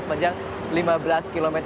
sepanjang lima belas km